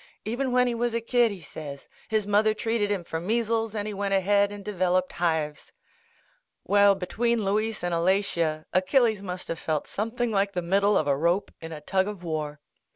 Even when he was a kid, he says, his mother treated him for measles and he went ahead and devel oped hives ! Well, between Louise and Alatia, Achilles rnust of felt something like the middle of a rope in a tug of war.